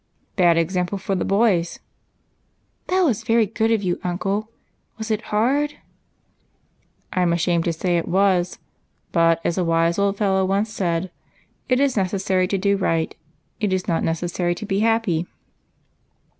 " Bad example for the boys." " That was very good of you, uncle ! Was it hard ?"" I 'm ashamed to say it was. But as a wise old fel PHEBRS SECRET. 107 low once said, ' It is necessary to do right ; it is not necessary to be happy.'